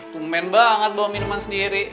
komen banget bawa minuman sendiri